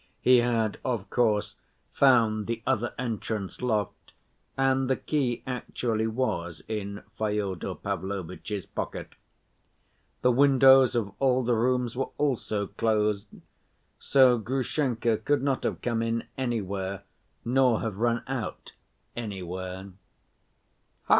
He had, of course, found the other entrance locked, and the key actually was in Fyodor Pavlovitch's pocket. The windows of all the rooms were also closed, so Grushenka could not have come in anywhere nor have run out anywhere.